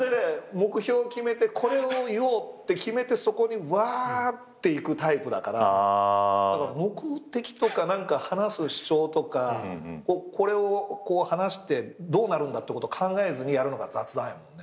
目標を決めてこれを言おうって決めてそこにうわっていくタイプだから目的とか話す主張とかこれを話してどうなるんだってこと考えずにやるのが雑談やもんね。